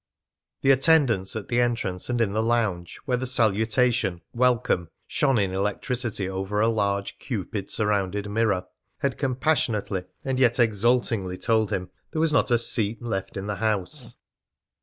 The attendants at the entrance and in the lounge, where the salutation "Welcome" shone in electricity over a large Cupid surrounded mirror, had compassionately and yet exultingly told him that there was not a seat left in the house.